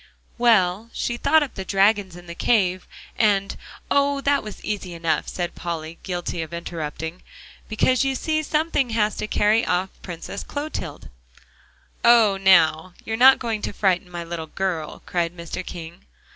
"Well, she thought up the dragons, and the cave, and"? "Oh! that was easy enough," said Polly, guilty of interrupting, "because you see something has to carry off the Princess Clotilde." "Oh, now! you are not going to frighten my little girl," cried Mr. King.